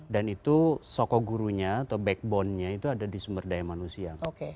dan itu sokogurunya atau backbone nya itu ada di sumber daya manusia